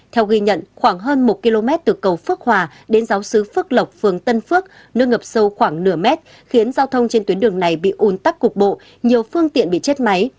theo ghi nhận khoảng hơn một km từ cầu phước hòa đến giáo sứ phước lộc phường tân phước nước ngập sâu khoảng nửa mét khiến giao thông trên tuyến đường này bị ùn tắc cục bộ nhiều phương tiện bị chết máy